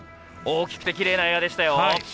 大きくてきれいなエアでした。